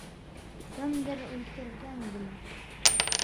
Кемдер үлтергән быны.